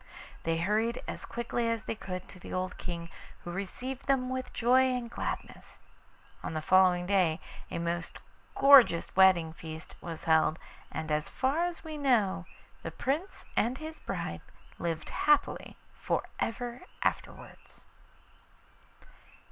They hurried as quickly as they could to the old King, who received them with joy and gladness. On the following day a most gorgeous wedding feast was held, and as far as we know the Prince and his bride lived happily for ever afterwards.